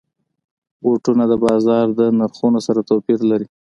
بوټونه د بازار د نرخونو سره توپیر لري.